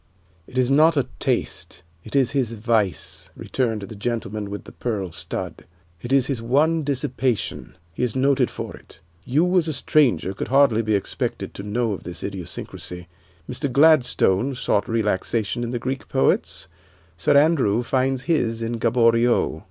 "It is not a taste, it is his vice," returned the gentleman with the pearl stud. "It is his one dissipation. He is noted for it. You, as a stranger, could hardly be expected to know of this idiosyncrasy. Mr. Gladstone sought relaxation in the Greek poets, Sir Andrew finds his in Gaboriau.